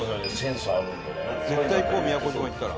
「絶対行こう宮古島行ったら」